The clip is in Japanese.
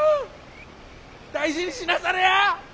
大事にしなされや！